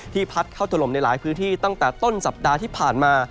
พัดเข้าถล่มในหลายพื้นที่ตั้งแต่ต้นสัปดาห์ที่ผ่านมา